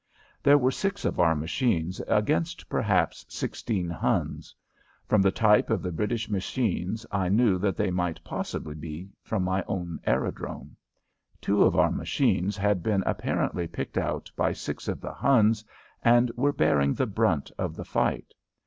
There were six of our machines against perhaps sixteen Huns. From the type of the British machines I knew that they might possibly be from my own aerodrome. Two of our machines had been apparently picked out by six of the Huns and were bearing the brunt of the fight.